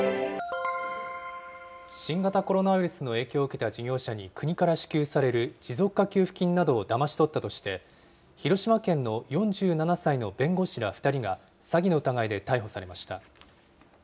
新型コロナウイルスの影響を受けた事業者に国から支給される持続化給付金などをだまし取ったとして、広島県の４７歳の弁護士ら２人が詐欺の疑いで逮捕されました。